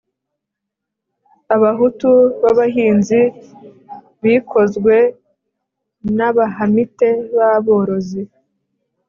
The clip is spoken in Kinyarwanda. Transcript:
abahutu b abahinzi bikozwe n abahamite b aborozi